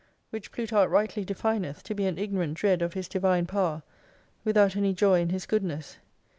"Which Plutarch rightly defineth, to bean Ignorant Dread of His Divine Power, without any Joy in His good?iess.